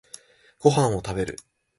ご飯を食べる